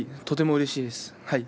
とてもうれしいです。